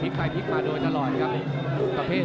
ที่แฟนมวยเวลานี้ทั่วประเทศ